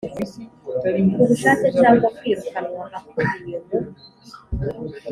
ku bushake cyangwa kwirukanwa akubiye mu